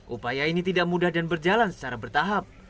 upaya ini tidak mudah dan berjalan secara bertahap